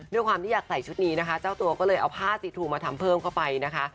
ด้วยความที่อยากใส่ชุดนี้นะคะเจ้าตัวก็เลยเอาผ้าสีทูมาทำเพิ่มเข้าไปนะคะ